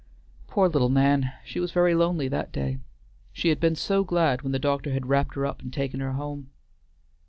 Poor little Nan! she was very lonely that day. She had been so glad when the doctor had wrapped her up and taken her home.